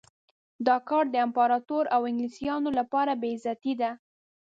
دا کار د امپراطور او انګلیسیانو لپاره بې عزتي ده.